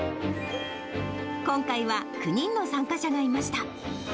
今回は９人の参加者がいました。